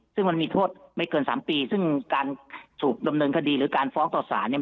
ซึ่งมันมีโทษไม่เกิน๓ปีซึ่งการถูกดำเนินคดีหรือการฟ้องต่อสารเนี่ย